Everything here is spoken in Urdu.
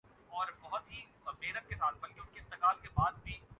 وجہ سے ماحول کافی گرم ہوجاتا ہے